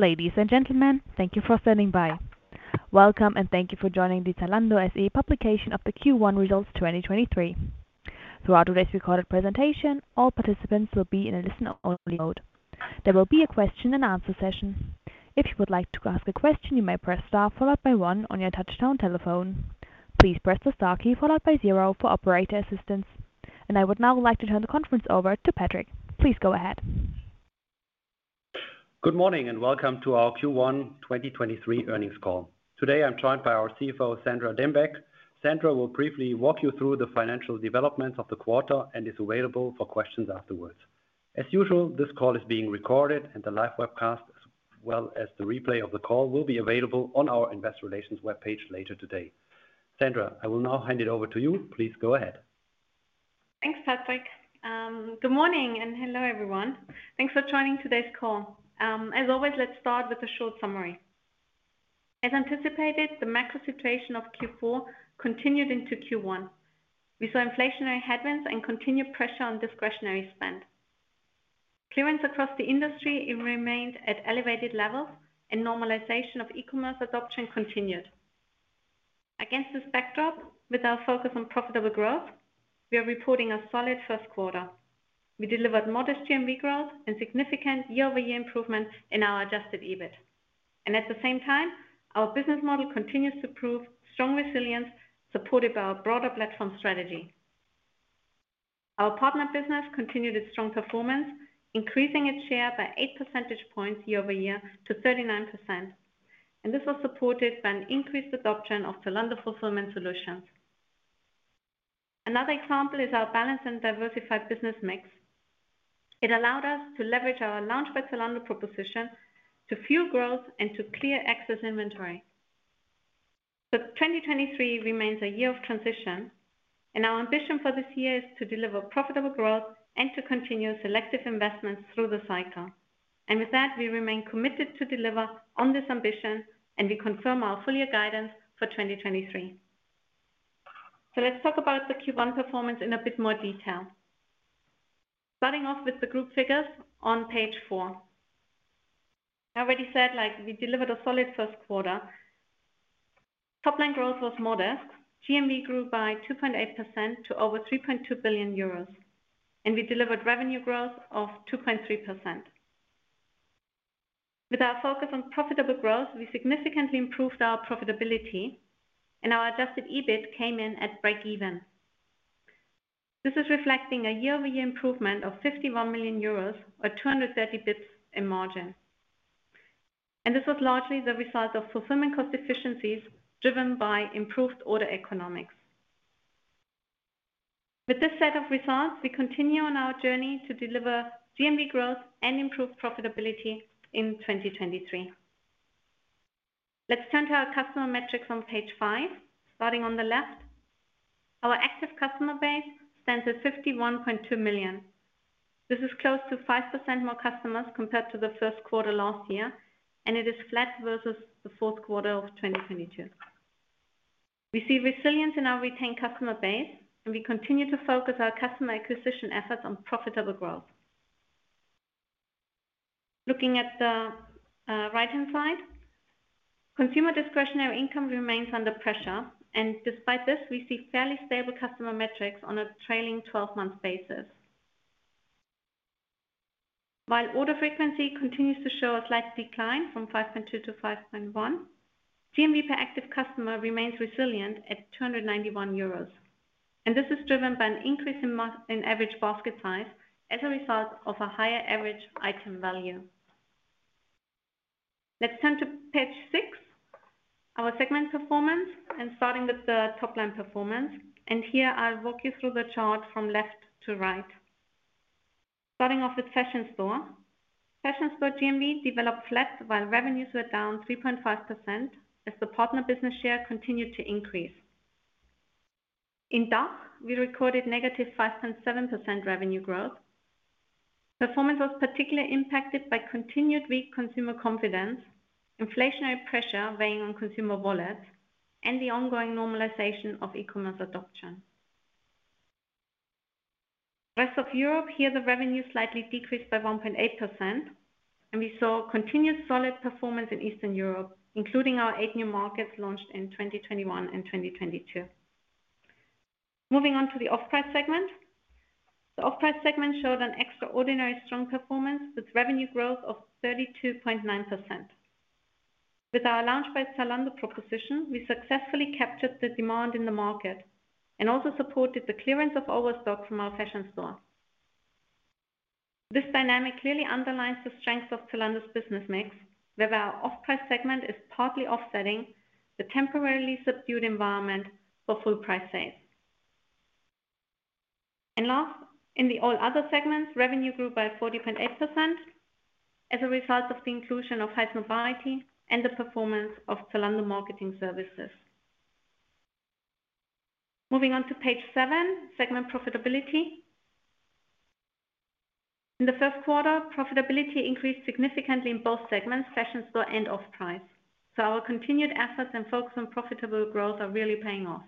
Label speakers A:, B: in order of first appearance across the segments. A: Ladies and gentlemen, thank you for standing by. Welcome and thank you for joining the Zalando SE publication of the Q1 results 2023. Throughout today's recorded presentation, all participants will be in a listen-only mode. There will be a question and answer session. If you would like to ask a question, you may press Star followed by 1 on your touchtone telephone. Please press the Star key followed by 0 for operator assistance. I would now like to turn the conference over to Patrick. Please go ahead.
B: Good morning and welcome to our Q1 2023 earnings call. Today I'm joined by our CFO, Sandra Dembeck. Sandra will briefly walk you through the financial developments of the quarter and is available for questions afterwards. As usual, this call is being recorded and the live webcast, as well as the replay of the call, will be available on our investor relations webpage later today. Sandra, I will now hand it over to you. Please go ahead.
C: Thanks, Patrick. Good morning and hello everyone. Thanks for joining today's call. As always, let's start with a short summary. As anticipated, the macro situation of Q4 continued into Q1. We saw inflationary headwinds and continued pressure on discretionary spend. Clearance across the industry, it remained at elevated levels and normalization of e-commerce adoption continued. Against this backdrop, with our focus on profitable growth, we are reporting a solid first quarter. We delivered modest GMV growth and significant year-over-year improvement in our adjusted EBIT. At the same time, our business model continues to prove strong resilience supported by our broader platform strategy. Our partner business continued its strong performance, increasing its share by 8 percentage points year-over-year to 39%. This was supported by an increased adoption of Zalando Fulfillment Solutions. Another example is our balanced and diversified business mix. It allowed us to leverage our Lounge by Zalando proposition to fuel growth and to clear excess inventory. 2023 remains a year of transition and our ambition for this year is to deliver profitable growth and to continue selective investments through the cycle. With that, we remain committed to deliver on this ambition and we confirm our full year guidance for 2023. Let's talk about the Q1 performance in a bit more detail. Starting off with the group figures on page four. I already said, like, we delivered a solid first quarter. Top line growth was modest. GMV grew by 2.8% to over 3.2 billion euros, and we delivered revenue growth of 2.3%. With our focus on profitable growth, we significantly improved our profitability and our adjusted EBIT came in at break even. This is reflecting a year-over-year improvement of 51 million euros or 230 bps in margin. This was largely the result of fulfillment cost efficiencies driven by improved order economics. With this set of results, we continue on our journey to deliver GMV growth and improved profitability in 2023. Let's turn to our customer metrics on page five. Starting on the left, our active customer base stands at 51.2 million. This is close to 5% more customers compared to the first quarter last year, and it is flat versus the fourth quarter of 2022. We see resilience in our retained customer base, and we continue to focus our customer acquisition efforts on profitable growth. Looking at the right-hand side, consumer discretionary income remains under pressure, and despite this, we see fairly stable customer metrics on a trailing twelve-month basis. While order frequency continues to show a slight decline from 5.2 to 5.1, GMV per active customer remains resilient at 291 euros. This is driven by an increase in average basket size as a result of a higher average item value. Let's turn to page six, our segment performance, and starting with the top line performance. Here I'll walk you through the chart from left to right. Starting off with Fashion Store. Fashion Store GMV developed flat while revenues were down 3.5% as the partner business share continued to increase. In DACH, we recorded negative 5.7% revenue growth. Performance was particularly impacted by continued weak consumer confidence, inflationary pressure weighing on consumer wallets, and the ongoing normalization of e-commerce adoption. Rest of Europe, here the revenue slightly decreased by 1.8%. We saw continued solid performance in Eastern Europe, including our 8 new markets launched in 2021 and 2022. Moving on to the Offprice segment. The Offprice segment showed an extraordinary strong performance with revenue growth of 32.9%. With our Lounge by Zalando proposition, we successfully captured the demand in the market and also supported the clearance of overstock from our Fashion Store. This dynamic clearly underlines the strength of Zalando's business mix, where our Offprice segment is partly offsetting the temporarily subdued environment for full price sales. Last, in the All Other segments, revenue grew by 40.8% as a result of the inclusion of Highsnobiety and the performance of Zalando Marketing Services. Moving on to page seven, segment profitability. In the first quarter, profitability increased significantly in both segments, Fashion Store and Offprice. Our continued efforts and focus on profitable growth are really paying off.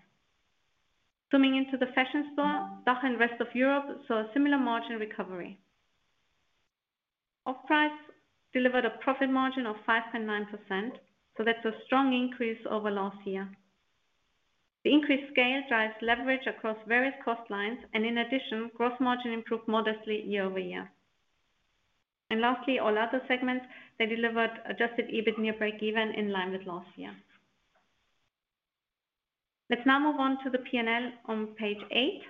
C: Zooming into the Fashion Store, DACH and rest of Europe saw a similar margin recovery. Offprice delivered a profit margin of 5.9%, that's a strong increase over last year. The increased scale drives leverage across various cost lines, and in addition, gross margin improved modestly year-over-year. Lastly, all other segments, they delivered adjusted EBIT near break even in line with last year. Let's now move on to the P&L on Page eight.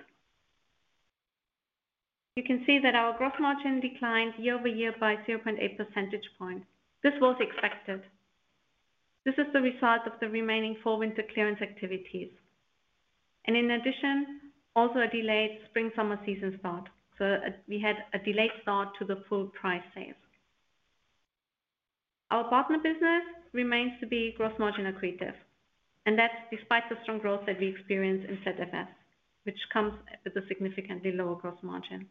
C: You can see that our gross margin declined year-over-year by 0.8 percentage point. This was expected. This is the result of the remaining fall winter clearance activities. In addition, also a delayed spring summer season start. We had a delayed start to the full price sales. Our partner business remains to be gross margin accretive, and that's despite the strong growth that we experienced in ZFS, which comes with a significantly lower gross margin.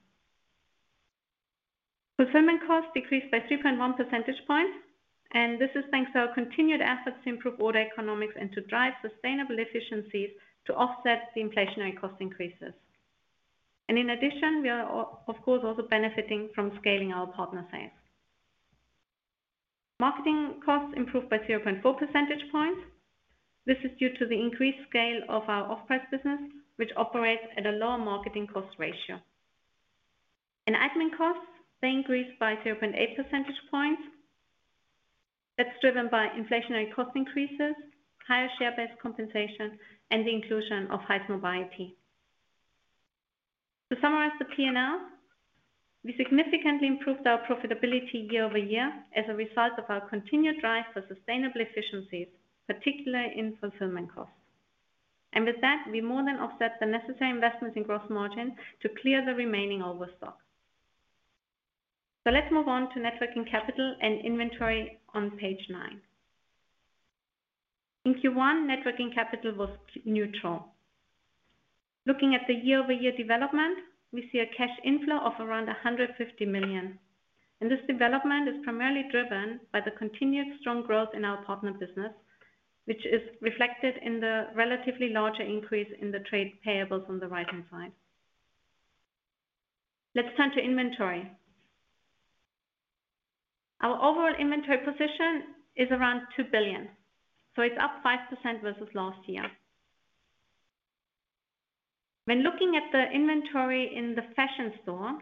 C: Fulfillment costs decreased by 3.1 percentage points, and this is thanks to our continued efforts to improve order economics and to drive sustainable efficiencies to offset the inflationary cost increases. In addition, we are, of course, also benefiting from scaling our partner sales. Marketing costs improved by 0.4 percentage points. This is due to the increased scale of our Offprice business, which operates at a lower marketing cost ratio. Admin costs, they increased by 0.8 percentage points. That's driven by inflationary cost increases, higher share-based compensation, and the inclusion of Highsnobiety. To summarize the P&L, we significantly improved our profitability year-over-year as a result of our continued drive for sustainable efficiencies, particularly in fulfillment costs. With that, we more than offset the necessary investments in gross margin to clear the remaining overstock. Let's move on to net working capital and inventory on Page nine. In Q1, net working capital was neutral. Looking at the year-over-year development, we see a cash inflow of around 150 million. This development is primarily driven by the continued strong growth in our partner business, which is reflected in the relatively larger increase in the trade payables on the right-hand side. Let's turn to inventory. Our overall inventory position is around 2 billion, so it's up 5% versus last year. When looking at the inventory in the Fashion Store,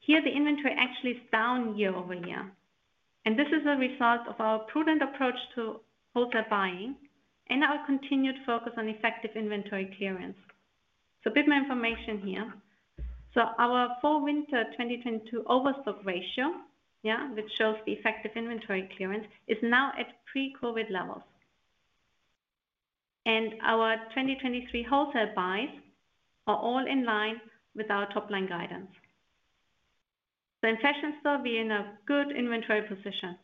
C: here the inventory actually is down year-over-year. This is a result of our prudent approach to wholesale buying and our continued focus on effective inventory clearance. A bit more information here. Our fall/winter 22 overstock ratio, which shows the effective inventory clearance, is now at pre-COVID levels. Our 2023 wholesale buys are all in line with our top-line guidance. In Fashion Store, we're in a good inventory position.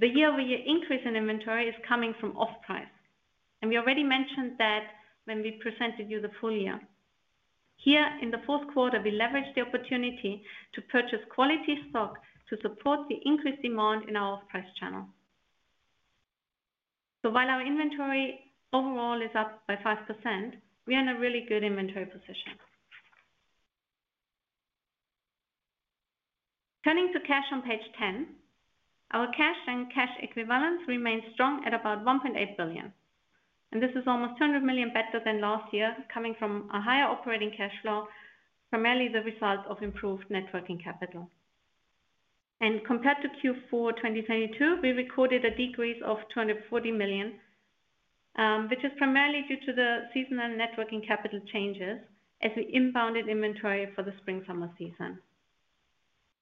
C: The year-over-year increase in inventory is coming from Offprice, and we already mentioned that when we presented you the full year. Here in the fourth quarter, we leveraged the opportunity to purchase quality stock to support the increased demand in our Offprice channel. While our inventory overall is up by 5%, we are in a really good inventory position. Turning to cash on Page 10. Our cash and cash equivalents remain strong at about 1.8 billion, and this is almost 200 million better than last year, coming from a higher operating cash flow, primarily the result of improved net working capital. Compared to Q4 2022, we recorded a decrease of 240 million, which is primarily due to the seasonal net working capital changes as we inbounded inventory for the spring/summer season.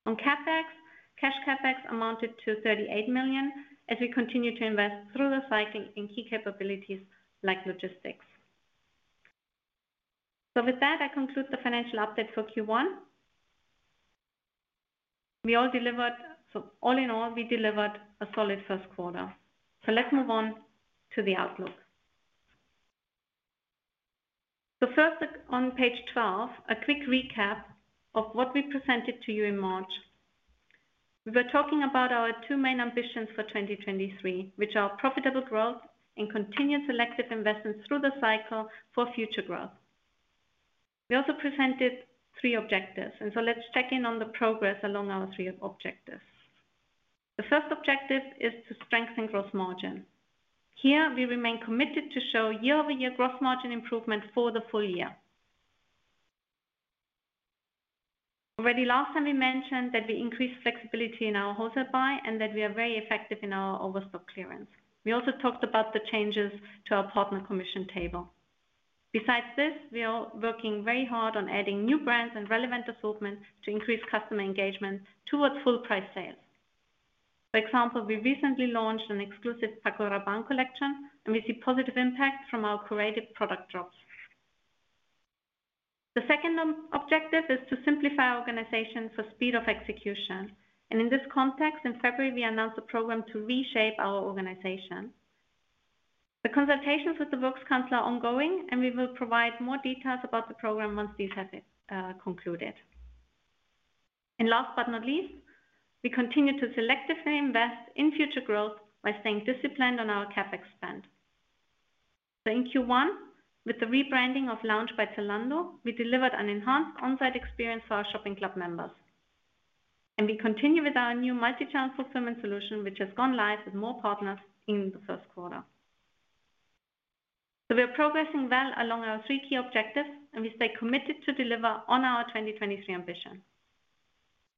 C: On CapEx, cash CapEx amounted to 38 million as we continue to invest through the cycling in key capabilities like logistics. With that, I conclude the financial update for Q1. All in all, we delivered a solid first quarter. Let's move on to the outlook. First, on Page 12, a quick recap of what we presented to you in March. We were talking about our two main ambitions for 2023, which are profitable growth and continued selective investments through the cycle for future growth. We also presented three objectives, let's check in on the progress along our three objectives. The first objective is to strengthen gross margin. Here we remain committed to show year-over-year gross margin improvement for the full year. Already last time we mentioned that we increased flexibility in our wholesale buy and that we are very effective in our overstock clearance. We also talked about the changes to our partner commission table. Besides this, we are working very hard on adding new brands and relevant assortments to increase customer engagement towards full price sales. For example, we recently launched an exclusive Paco Rabanne collection, we see positive impact from our creative product drops. The second objective is to simplify our organization for speed of execution. In this context, in February, we announced a program to reshape our organization. The consultations with the works council are ongoing, and we will provide more details about the program once these have concluded. Last but not least, we continue to selectively invest in future growth by staying disciplined on our CapEx spend. In Q1, with the rebranding of Lounge by Zalando, we delivered an enhanced on-site experience for our Shopping Club members. We continue with our new multi-channel fulfillment solution, which has gone live with more partners in the 1st quarter. We are progressing well along our three key objectives, and we stay committed to deliver on our 2023 ambition.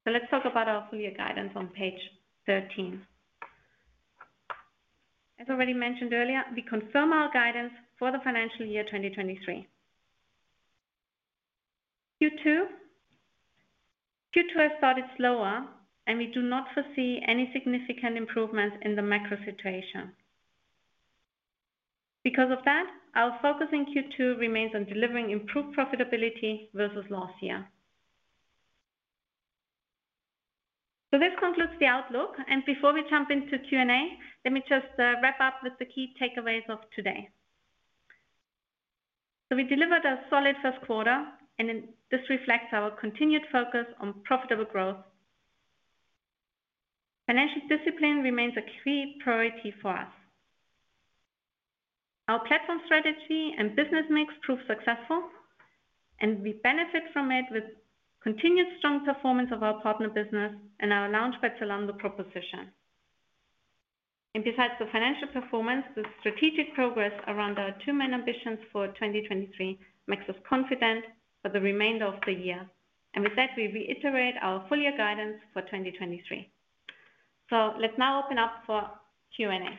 C: Let's talk about our full year guidance on page 13. As already mentioned earlier, we confirm our guidance for the financial year 2023. Q2. Q2 has started slower. We do not foresee any significant improvements in the macro situation. Because of that, our focus in Q2 remains on delivering improved profitability versus last year. This concludes the outlook. Before we jump into Q&A, let me just wrap up with the key takeaways of today. We delivered a solid first quarter. This reflects our continued focus on profitable growth. Financial discipline remains a key priority for us. Our platform strategy and business mix prove successful. We benefit from it with continued strong performance of our partner business and our Lounge by Zalando proposition. Besides the financial performance, the strategic progress around our two main ambitions for 2023 makes us confident for the remainder of the year. With that, we reiterate our full year guidance for 2023. Let's now open up for Q&A.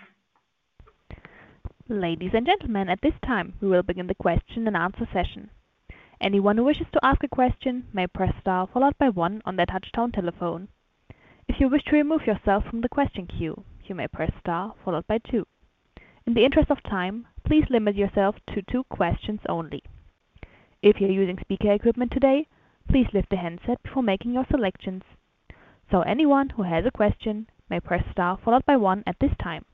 A: Ladies and gentlemen, at this time, we will begin the question and answer session. Anyone who wishes to ask a question may press star followed by one on their touch-tone telephone. If you wish to remove yourself from the question queue, you may press star followed by two. In the interest of time, please limit yourself to two questions only. If you're using speaker equipment today, please lift the handset before making your selections. Anyone who has a question may press star followed by one at this time.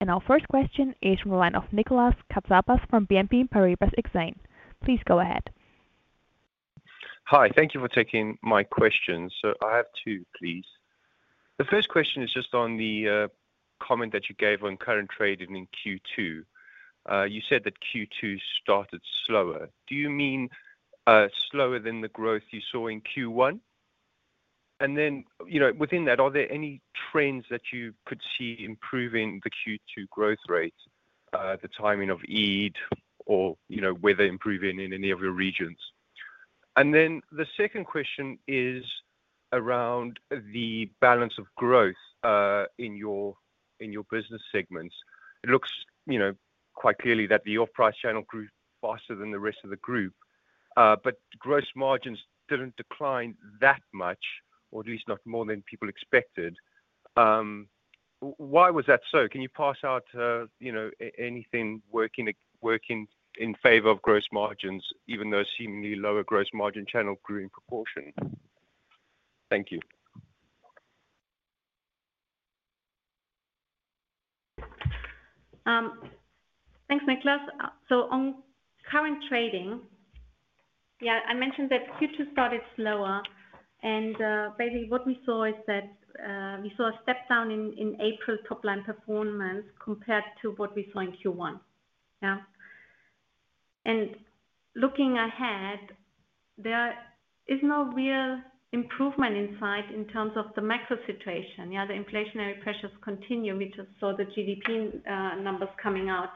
A: Our first question is from the line of Nicolas Katsapas from BNP Paribas Exane. Please go ahead.
D: Hi. Thank you for taking my questions. I have two, please. The first question is just on the comment that you gave on current trading in Q2. You said that Q2 started slower. Do you mean slower than the growth you saw in Q1? You know, within that, are there any trends that you could see improving the Q2 growth rate, the timing of Eid or, you know, weather improving in any of your regions? The second question is around the balance of growth in your, in your business segments. It looks, you know, quite clearly that the off-price channel grew faster than the rest of the group, but gross margins didn't decline that much, or at least not more than people expected. Why was that so? Can you parse out, you know, anything working in favor of gross margins, even though seemingly lower gross margin channel grew in proportion? Thank you.
C: Thanks, Nicolas. On current trading, yeah, I mentioned that Q2 started slower. Basically what we saw is that we saw a step down in April top line performance compared to what we saw in Q1. Yeah. Looking ahead, there is no real improvement in sight in terms of the macro situation. Yeah, the inflationary pressures continue. We just saw the GDP numbers coming out.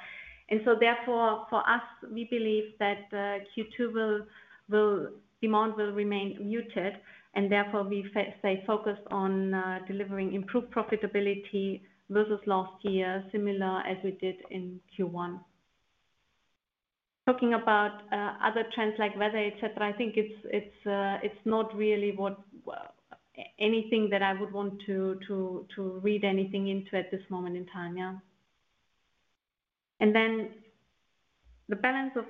C: Therefore, for us, we believe that Q2 will demand will remain muted, and therefore we stay focused on delivering improved profitability versus last year, similar as we did in Q1. Talking about other trends like weather, et cetera, I think it's not really anything that I would want to read anything into at this moment in time. Yeah. The balance of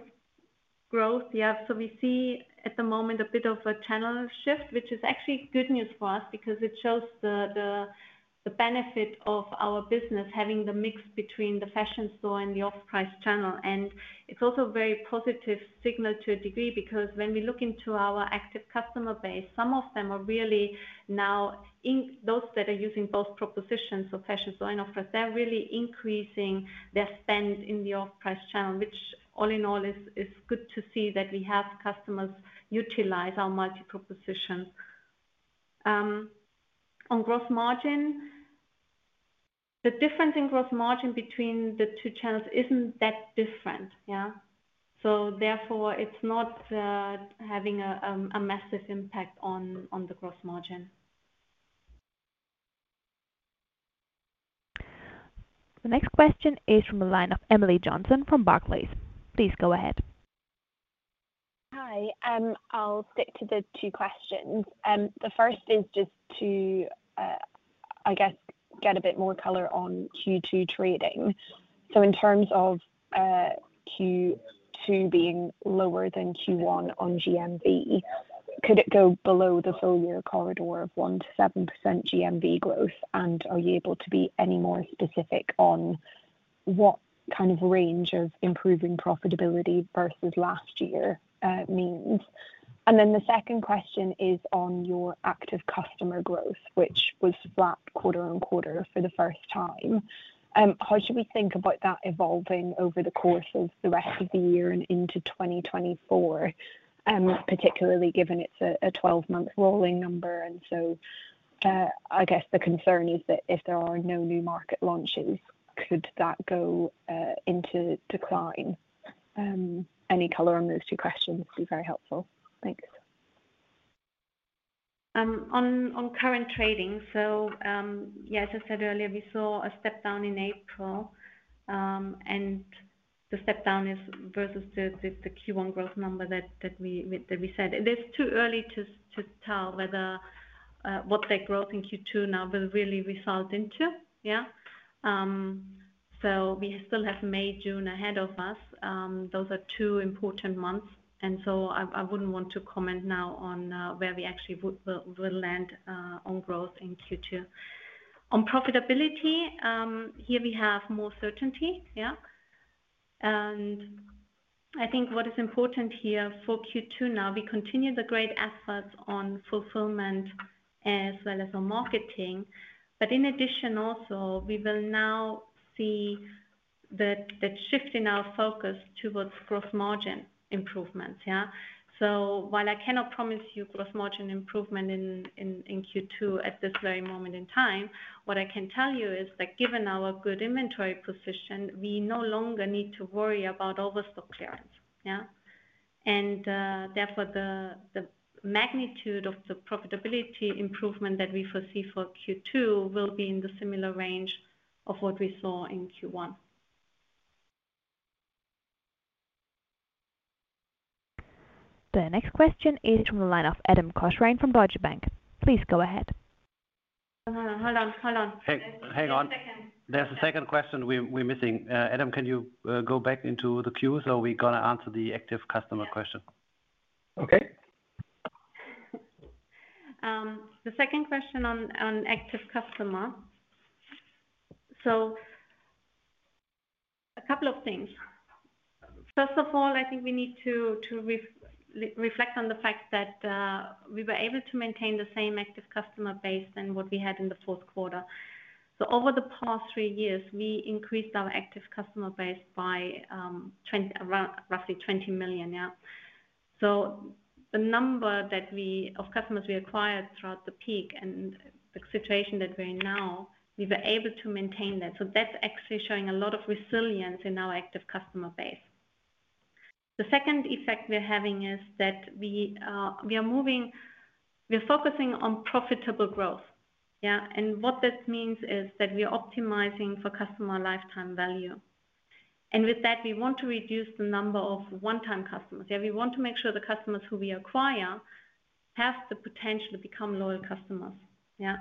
C: growth. Yeah. We see at the moment a bit of a channel shift, which is actually good news for us because it shows the benefit of our business having the mix between the Fashion Store and the Offprice channel. It's also a very positive signal to a degree because when we look into our active customer base, some of them are really now in those that are using both propositions, so Fashion Store and Offprice, they're really increasing their spend in the Offprice channel, which all in all is good to see that we have customers utilize our multi proposition. On gross margin. The difference in gross margin between the two channels isn't that different. Yeah. Therefore, it's not having a massive impact on the gross margin.
A: The next question is from the line of Emily Johnson from Barclays. Please go ahead.
E: Hi. I'll stick to the two questions. The first is just to, I guess, get a bit more color on Q2 trading. In terms of Q2 being lower than Q1 on GMV, could it go below the full year corridor of 1%-7% GMV growth? Are you able to be any more specific on what kind of range of improving profitability versus last year means? The second question is on your active customer growth, which was flat quarter-on-quarter for the first time. How should we think about that evolving over the course of the rest of the year and into 2024, particularly given it's a 12-month rolling number? I guess, the concern is that if there are no new market launches, could that go into decline? Any color on those 2 questions would be very helpful. Thanks.
C: On, on current trading. Yeah, as I said earlier, we saw a step down in April. The step down is versus the Q1 growth number that we said. It is too early to tell whether what that growth in Q2 now will really result into. We still have May, June ahead of us. Those are two important months, and so I wouldn't want to comment now on where we actually would land on growth in Q2. On profitability, here we have more certainty. And I think what is important here for Q2 now, we continue the great efforts on fulfillment as well as on marketing. In addition also, we will now see the shift in our focus towards growth margin improvements. While I cannot promise you growth margin improvement in Q2 at this very moment in time, what I can tell you is that given our good inventory position, we no longer need to worry about overstock clearance. Yeah. Therefore, the magnitude of the profitability improvement that we foresee for Q2 will be in the similar range of what we saw in Q1.
A: The next question is from the line of Adam Cochrane from Deutsche Bank. Please go ahead.
C: Hold on, hold on. Hold on.
B: Hang on.
C: There's a second.
B: There's a second question we're missing. Adam, can you go back into the queue? We're gonna answer the active customer question.
F: Okay.
C: The second question on active customer. A couple of things. First of all, I think we need to reflect on the fact that we were able to maintain the same active customer base than what we had in the fourth quarter. Over the past three years, we increased our active customer base by roughly 20 million, yeah. The number that we, of customers we acquired throughout the peak and the situation that we're in now, we were able to maintain that. That's actually showing a lot of resilience in our active customer base. The second effect we're having is that we are moving, we are focusing on profitable growth. Yeah. What this means is that we are optimizing for customer lifetime value. With that, we want to reduce the number of one-time customers. Yeah. We want to make sure the customers who we acquire have the potential to become loyal customers. Yeah.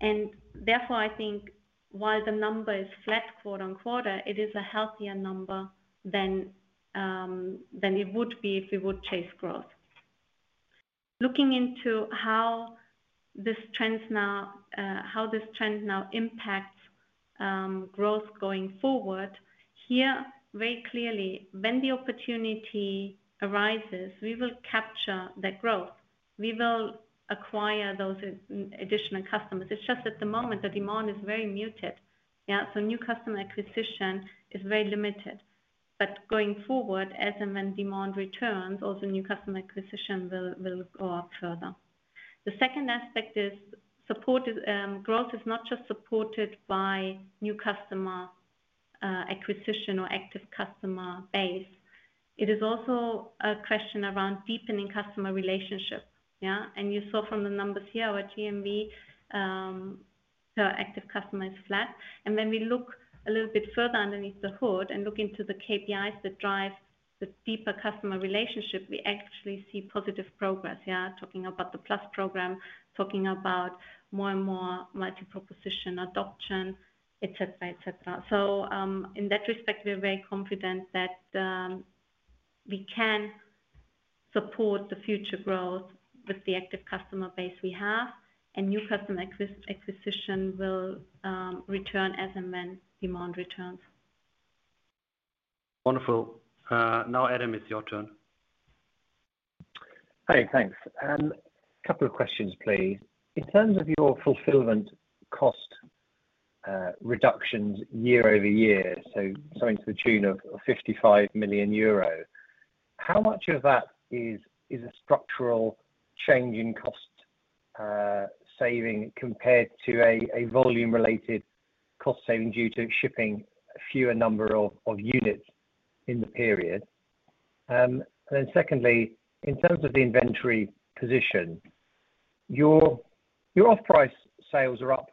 C: Therefore, I think while the number is flat quarter on quarter, it is a healthier number than it would be if we would chase growth. Looking into how this trend now impacts growth going forward, here, very clearly, when the opportunity arises, we will capture that growth. We will acquire those additional customers. It's just at the moment, the demand is very muted. Yeah. New customer acquisition is very limited. Going forward, as and when demand returns, also new customer acquisition will go up further. The second aspect is supported, growth is not just supported by new customer acquisition or active customer base. It is also a question around deepening customer relationship. Yeah. You saw from the numbers here, our GMV, our active customer is flat. When we look a little bit further underneath the hood and look into the KPIs that drive the deeper customer relationship, we actually see positive progress. Yeah. Talking about the Plus program, talking about more and more multi-proposition adoption, et cetera, et cetera. In that respect, we are very confident that we can support the future growth with the active customer base we have and new customer acquisition will return as and when demand returns.
B: Wonderful. Now, Adam, it's your turn.
F: Hey, thanks. Couple of questions, please. In terms of your fulfillment cost reductions year-over-year, so something to the tune of 55 million euro, how much of that is a structural change in cost saving compared to a volume related cost saving due to shipping a fewer number of units in the period? Then secondly, in terms of the inventory position, your Offprice sales are up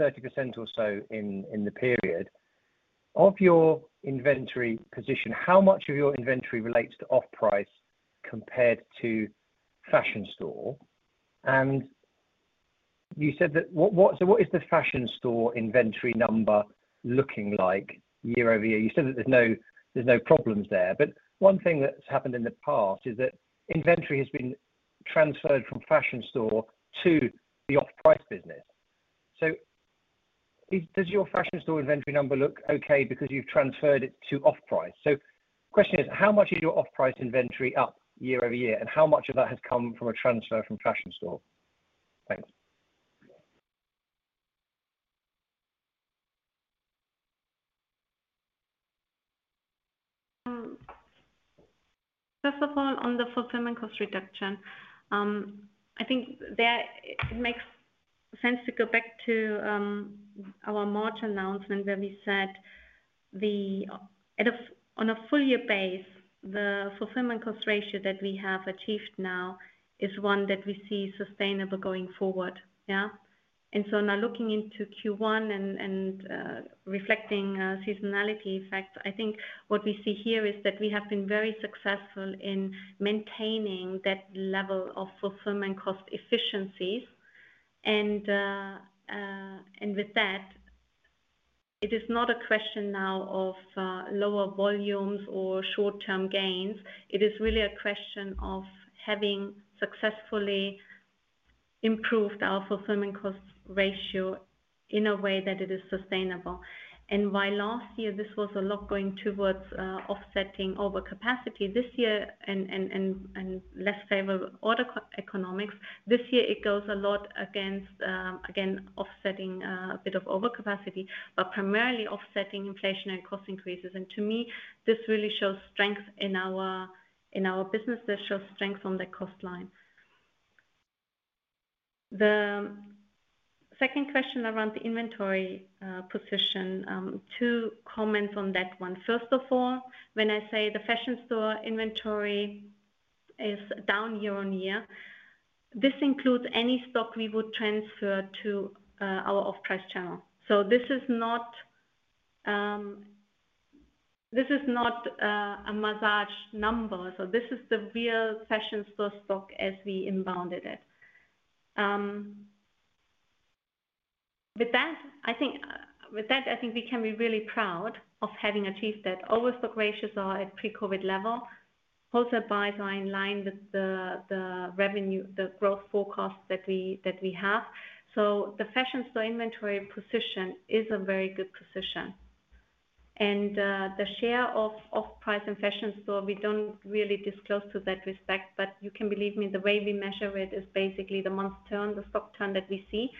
F: 30% or so in the period. Of your inventory position, how much of your inventory relates to Offprice compared to Fashion Store? You said that what is the Fashion Store inventory number looking like year-over-year? You said that there's no problems there. One thing that's happened in the past is that inventory has been transferred from Fashion Store to the Offprice business. Does your Fashion Store inventory number look okay because you've transferred it to Offprice? Question is, how much is your Offprice inventory up year-over-year? How much of that has come from a transfer from Fashion Store? Thanks.
C: First of all, on the fulfillment cost reduction, I think there it makes sense to go back to our March announcement where we said on a full year base, the fulfillment cost ratio that we have achieved now is one that we see sustainable going forward. Yeah. Now looking into Q1 and reflecting seasonality effects, I think what we see here is that we have been very successful in maintaining that level of fulfillment cost efficiencies. With that, it is not a question now of lower volumes or short-term gains. It is really a question of having successfully improved our fulfillment cost ratio in a way that it is sustainable. While last year this was a lot going towards offsetting overcapacity, this year and less favorable order co-economics, this year it goes a lot against again, offsetting a bit of overcapacity, but primarily offsetting inflation and cost increases. To me, this really shows strength in our business. This shows strength on the cost line. The second question around the inventory position, two comments on that one. First of all, when I say the Fashion Store inventory is down year-on-year, this includes any stock we would transfer to our Offprice channel. This is not a massaged number. This is the real Fashion Store stock as we inbounded it. With that, I think we can be really proud of having achieved that. Overstock ratios are at pre-COVID level. Post advice are in line with the revenue, the growth forecast that we have. The Fashion Store inventory position is a very good position. The share of Offprice and Fashion Store, we don't really disclose to that respect, but you can believe me, the way we measure it is basically the month turn, the stock turn that we see.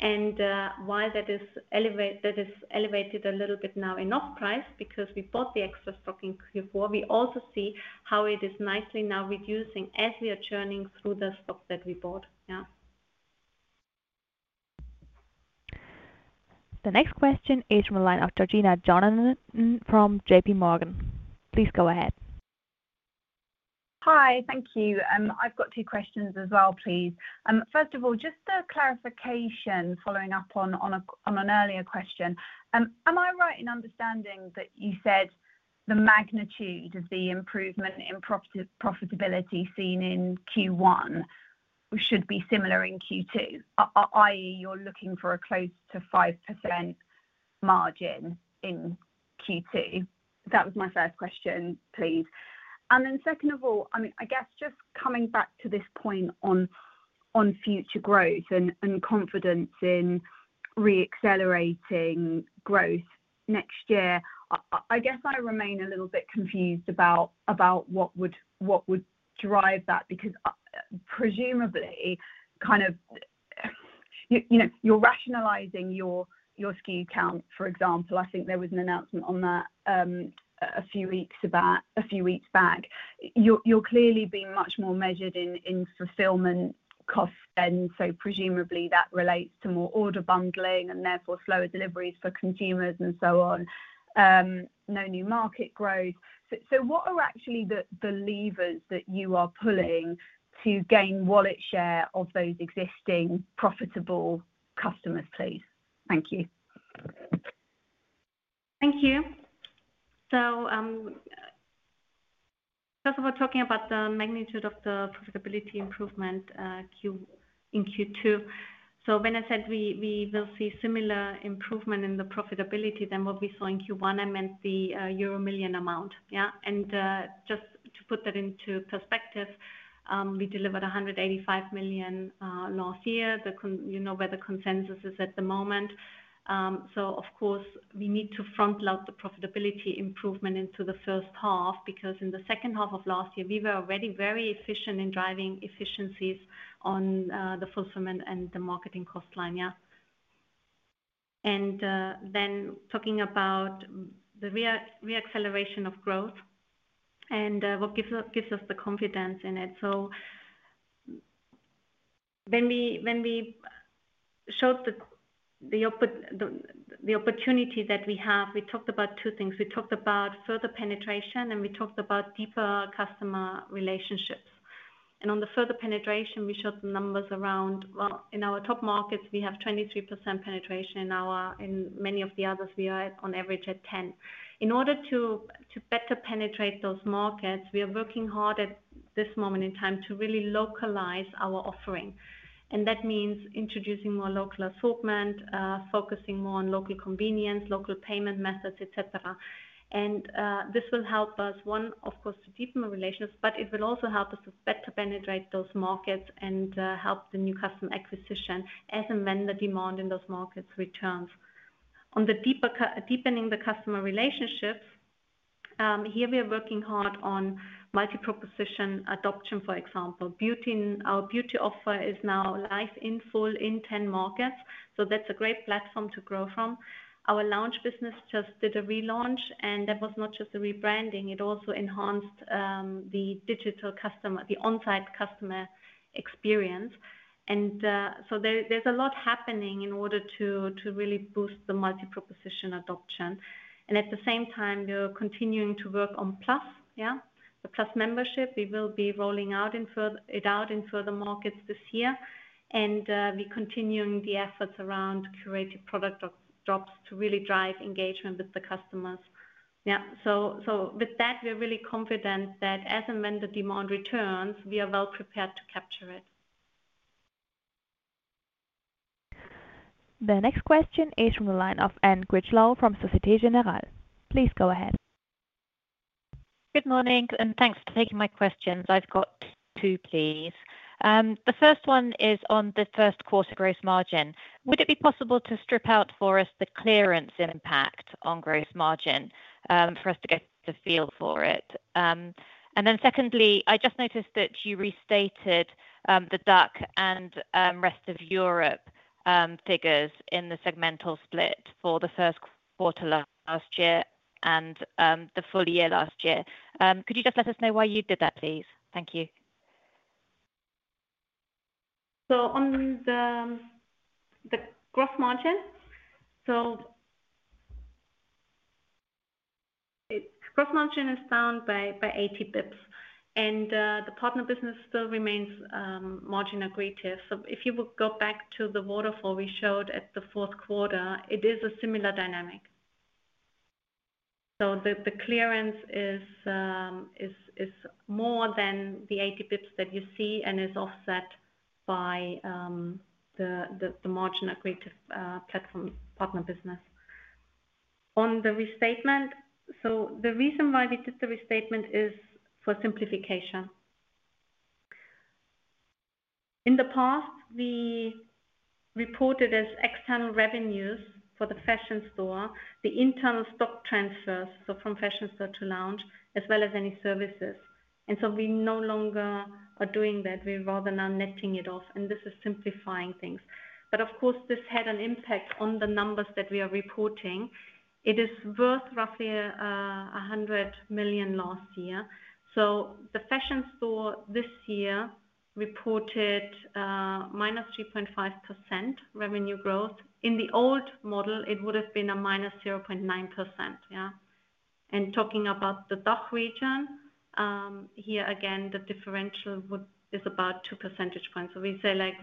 C: while that is elevated a little bit now in Offprice because we bought the excess stock in Q4, we also see how it is nicely now reducing as we are churning through the stock that we bought. Yeah.
A: The next question is from the line of Georgina Johanan from JPMorgan. Please go ahead.
G: Hi. Thank you. I've got two questions as well, please. First of all, just a clarification following up on an earlier question. Am I right in understanding that you said the magnitude of the improvement in profitability seen in Q1 should be similar in Q2, you're looking for a close to 5% margin in Q2? That was my first question, please. Second of all, I mean, I guess just coming back to this point on future growth and confidence in re-accelerating growth next year. I guess I remain a little bit confused about what would drive that because presumably kind of, you know, you're rationalizing your SKU count for example. I think there was an announcement on that a few weeks back. You're clearly being much more measured in fulfillment cost spend, presumably that relates to more order bundling and therefore slower deliveries for consumers and so on. No new market growth. What are actually the levers that you are pulling to gain wallet share of those existing profitable customers, please? Thank you.
C: Thank you. First we're talking about the magnitude of the profitability improvement in Q2. When I said we will see similar improvement in the profitability than what we saw in Q1, I meant the euro million amount. Yeah. Just to put that into perspective, we delivered 185 million last year. You know where the consensus is at the moment. Of course we need to front-load the profitability improvement into the first half because in the second half of last year we were already very efficient in driving efficiencies on the fulfillment and the marketing cost line. Then talking about the reacceleration of growth and what gives us the confidence in it. When we showed the oppor... The opportunity that we have, we talked about two things. We talked about further penetration, we talked about deeper customer relationships. On the further penetration we showed the numbers around, well, in our top markets we have 23% penetration. In many of the others we are at on average at 10. In order to better penetrate those markets we are working hard at this moment in time to really localize our offering. That means introducing more local assortment, focusing more on local convenience, local payment methods, et cetera. This will help us, one, of course, to deepen the relationships, but it will also help us with better penetrate those markets and help the new customer acquisition as and when the demand in those markets returns. On the deeper deepening the customer relationships, here we are working hard on multi-proposition adoption, for example. Our beauty offer is now live in full in 10 markets, so that's a great platform to grow from. Our Lounge business just did a relaunch, and that was not just a rebranding, it also enhanced the digital customer, the on-site customer experience. There's a lot happening in order to really boost the multi-proposition adoption. At the same time, we are continuing to work on Plus. Yeah. The Plus membership, we will be rolling it out in further markets this year. We continuing the efforts around curated product drops to really drive engagement with the customers. Yeah, with that, we're really confident that as and when the demand returns, we are well prepared to capture it.
A: The next question is from the line of Anne Critchlow from Societe Generale. Please go ahead.
H: Good morning, thanks for taking my questions. I've got two, please. The first one is on the first quarter gross margin. Would it be possible to strip out for us the clearance impact on gross margin for us to get a feel for it? Secondly, I just noticed that you restated the DACH and rest of Europe figures in the segmental split for the first quarter last year and the full year last year. Could you just let us know why you did that, please? Thank you.
C: On the gross margin. Gross margin is down by 80 bps. The partner business still remains margin accretive. If you would go back to the waterfall we showed at the fourth quarter, it is a similar dynamic. The, the clearance is more than the 80 bps that you see and is offset by the, the margin accretive platform partner business. On the restatement, the reason why we did the restatement is for simplification. In the past, we reported as external revenues for the Fashion Store, the internal stock transfers, so from Fashion Store to Lounge, as well as any services. We no longer are doing that. We rather now netting it off, and this is simplifying things. Of course, this had an impact on the numbers that we are reporting. It is worth roughly 100 million last year. The Fashion Store this year reported minus 3.5% revenue growth. In the old model, it would have been a minus 0.9%, yeah. Talking about the DACH region, here again, the differential is about 2 percentage points. We say like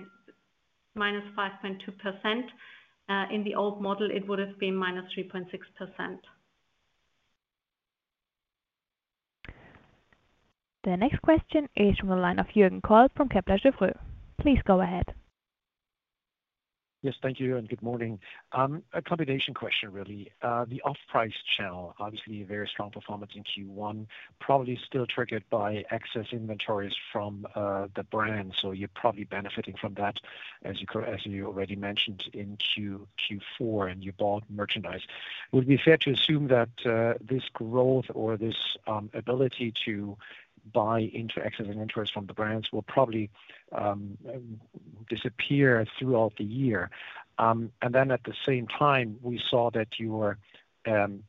C: minus 5.2%. In the old model, it would have been minus 3.6%.
A: The next question is from the line of Jurgen Kolb from Kepler Cheuvreux. Please go ahead.
I: Yes. Thank you and good morning. A combination question, really. The Offprice channel, obviously a very strong performance in Q1, probably still triggered by excess inventories from the brand. You're probably benefiting from that as you already mentioned in Q4, and you bought merchandise. Would it be fair to assume that this growth or this ability to buy into excess inventories from the brands will probably disappear throughout the year? Then at the same time, we saw that your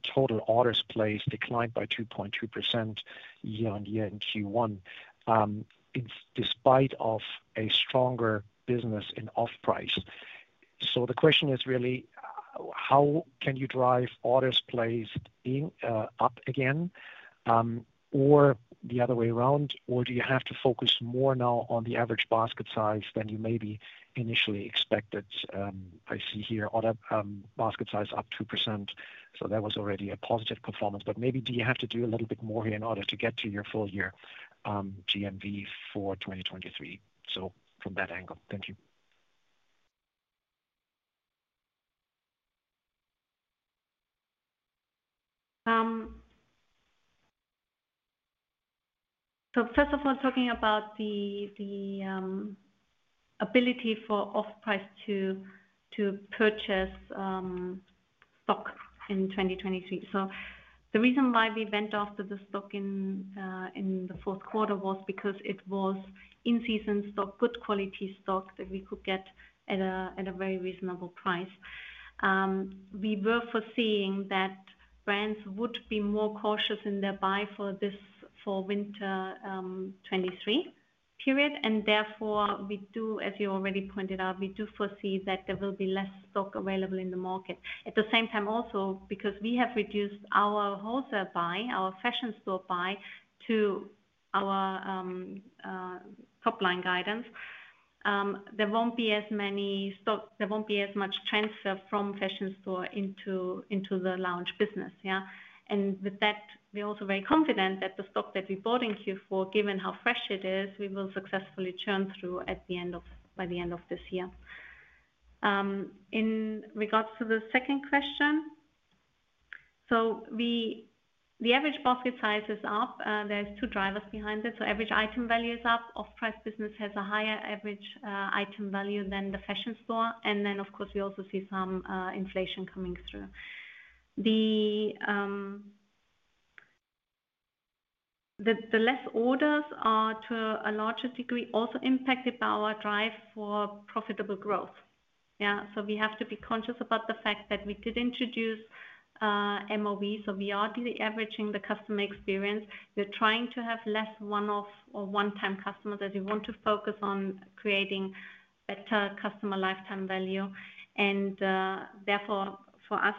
I: total orders placed declined by 2.2% year-on-year in Q1, despite of a stronger business in Offprice. The question is really how can you drive orders placed being up again, or the other way around? Do you have to focus more now on the average basket size than you maybe initially expected? I see here order basket size up 2%, that was already a positive performance. Maybe do you have to do a little bit more here in order to get to your full year GMV for 2023? From that angle. Thank you.
C: First of all, talking about the ability for Offprice to purchase stock in 2023. The reason why we went after the stock in the fourth quarter was because it was in-season stock, good quality stock that we could get at a very reasonable price. We were foreseeing that brands would be more cautious in their buy for winter 23 period, and therefore we do, as you already pointed out, we do foresee that there will be less stock available in the market. At the same time also, because we have reduced our wholesale buy, our Fashion Store buy to our top-line guidance, there won't be as much transfer from Fashion Store into the Lounge business. With that, we're also very confident that the stock that we bought in Q4, given how fresh it is, we will successfully churn through by the end of this year. In regards to the second question, we, the average basket size is up. There's two drivers behind it. Average item value is up. Offprice business has a higher average item value than the Fashion Store. Then, of course, we also see some inflation coming through. The less orders are to a larger degree also impacted by our drive for profitable growth. We have to be conscious about the fact that we did introduce MOB, so we are de-averaging the customer experience. We are trying to have less one-off or one-time customers, as we want to focus on creating better customer lifetime value. Therefore, for us,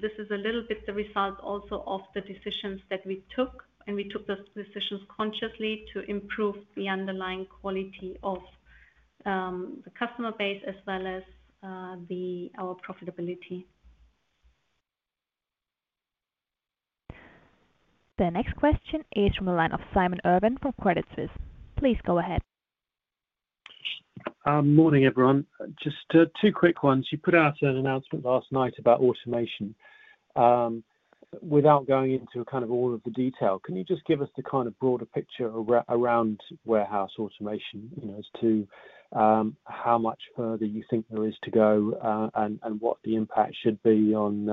C: this is a little bit the result also of the decisions that we took, and we took those decisions consciously to improve the underlying quality of the customer base as well as the, our profitability.
A: The next question is from the line of Simon Irwin from Credit Suisse. Please go ahead.
J: Morning, everyone. Just two quick ones. You put out an announcement last night about automation. Without going into kind of all of the detail, can you just give us the kind of broader picture around warehouse automation, you know, as to how much further you think there is to go, and what the impact should be on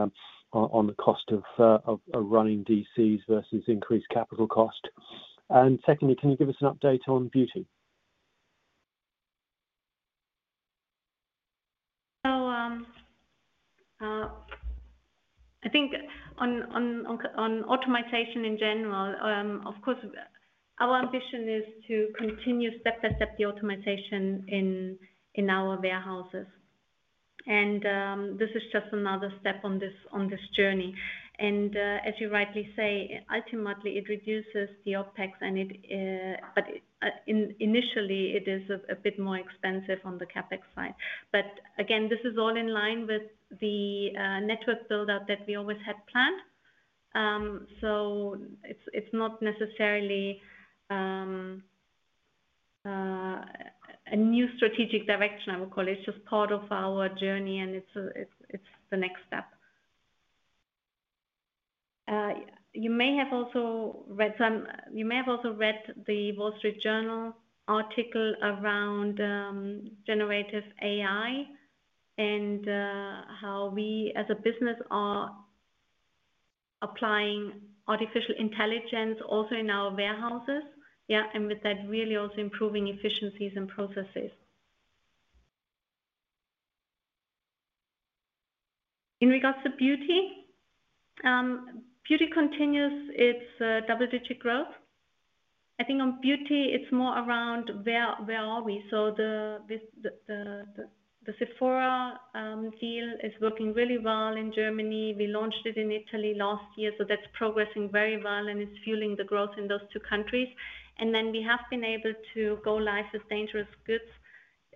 J: the cost of running DCs versus increased capital cost. Secondly, can you give us an update on beauty?
C: I think on automatization in general, of course, our ambition is to continue step-by-step the automatization in our warehouses. This is just another step on this journey. As you rightly say, ultimately it reduces the OpEx. Initially it is a bit more expensive on the CapEx side. Again, this is all in line with the network build-out that we always had planned. It's not necessarily a new strategic direction, I would call it. It's just part of our journey and it's the next step. You may have also read. You may have also read The Wall Street Journal article around generative AI and how we as a business are applying artificial intelligence also in our warehouses, yeah, and with that really also improving efficiencies and processes. In regards to beauty continues its double-digit growth. I think on beauty, it's more around where are we? The, with the Sephora deal is working really well in Germany. We launched it in Italy last year, so that's progressing very well and it's fueling the growth in those two countries. Then we have been able to go live with dangerous goods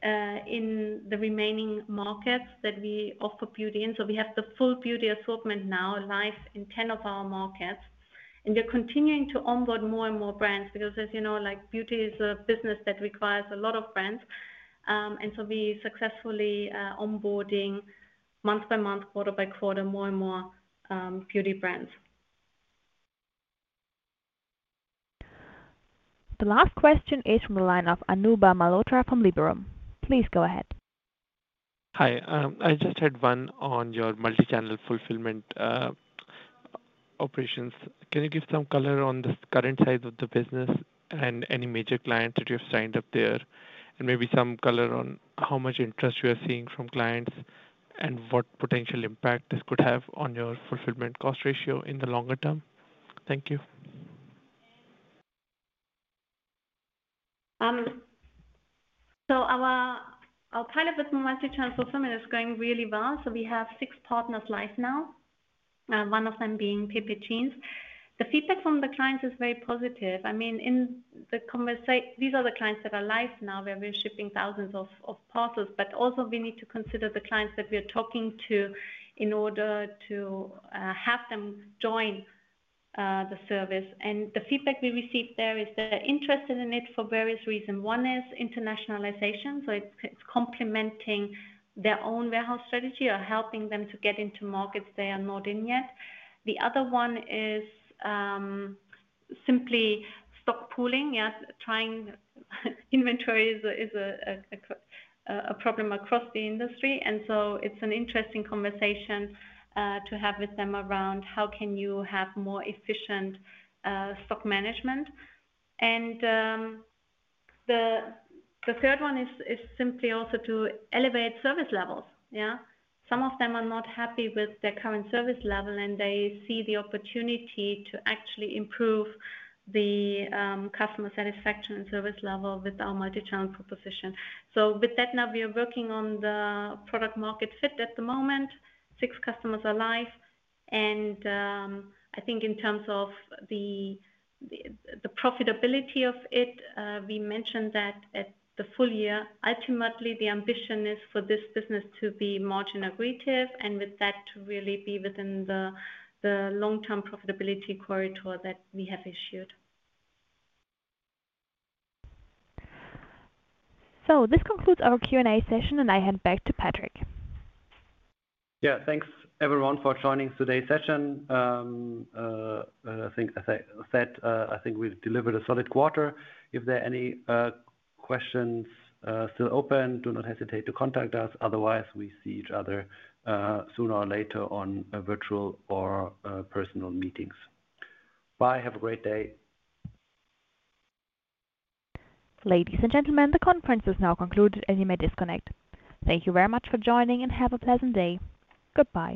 C: in the remaining markets that we offer beauty in. We have the full beauty assortment now live in 10 of our markets. We are continuing to onboard more and more brands because, as you know, like, beauty is a business that requires a lot of brands. We successfully, onboarding month by month, quarter by quarter, more and more beauty brands.
A: The last question is from the line of Anubhav Malhotra from Liberum. Please go ahead.
K: Hi. I just had one on your multi-channel fulfillment operations. Can you give some color on the current size of the business and any major clients that you have signed up there? Maybe some color on how much interest you are seeing from clients and what potential impact this could have on your fulfillment cost ratio in the longer term. Thank you.
C: Our pilot with multi-channel fulfillment is going really well, so we have six partners live now, one of them being Pepe Jeans. The feedback from the clients is very positive. I mean, these are the clients that are live now, where we are shipping thousands of parcels, but also we need to consider the clients that we are talking to in order to have them join the service. The feedback we received there is they're interested in it for various reason. One is internationalization, so it's complementing their own warehouse strategy or helping them to get into markets they are not in yet. The other one is simply stock pooling. Yes, trying inventory is a problem across the industry and so it's an interesting conversation to have with them around how can you have more efficient stock management. The third one is simply also to elevate service levels. Yeah. Some of them are not happy with their current service level, and they see the opportunity to actually improve the customer satisfaction and service level with our multi-channel proposition. With that now we are working on the product market fit at the moment. Six customers are live. I think in terms of the profitability of it, we mentioned that at the full year, ultimately the ambition is for this business to be margin accretive and with that to really be within the long-term profitability corridor that we have issued.
A: This concludes our Q&A session, and I hand back to Patrick.
B: Yeah. Thanks everyone for joining today's session. As I think I said, I think we've delivered a solid quarter. If there are any questions still open, do not hesitate to contact us. Otherwise, we see each other sooner or later on virtual or personal meetings. Bye. Have a great day.
A: Ladies and gentlemen, the conference is now concluded and you may disconnect. Thank you very much for joining and have a pleasant day. Goodbye.